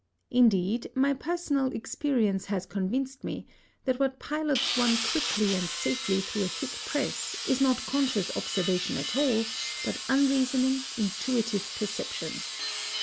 Indeed, my personal experience has convinced me that what pilots one quickly and safely through a thick press is not conscious observation at all, but unreasoning, intuitive perception.